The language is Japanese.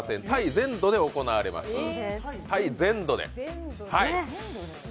タイ全土で行われます。